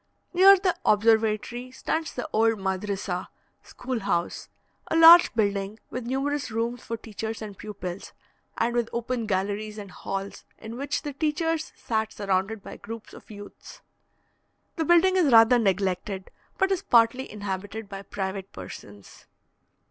Near the observatory stands the old madrissa (school house), a large building, with numerous rooms for teachers and pupils, and with open galleries and halls, in which the teachers sat surrounded by groups of youths. The building is rather neglected, but is partly inhabited by private persons.